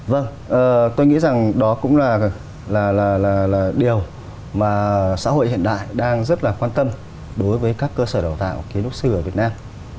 vâng tôi nghĩ rằng đó cũng là điều mà xã hội hiện đại đang rất là quan tâm đối với các cơ sở đào tạo kiến trúc sư ở việt nam